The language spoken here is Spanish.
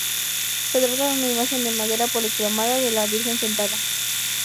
Se trata de una imagen de madera policromada con la virgen sentada.